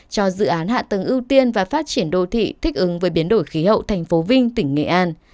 cho dự án hạ tầng ưu tiên và phát triển đô thị thích ứng với biến đổi khí hậu thành phố vinh tỉnh nghệ an